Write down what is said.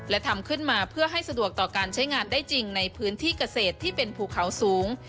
และทำขึ้นมาเพื่อให้สะดวกต่อการใช้งานได้จริงในพื้นที่เกษตรที่เป็นภูเขาสูง